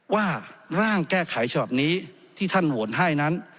ว่าร่างแก้ไขฉบับนี้ที่ท่านโหวตให้นั้น